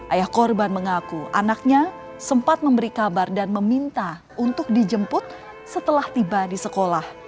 ayah korban mengaku anaknya sempat memberi kabar dan meminta untuk dijemput setelah tiba di sekolah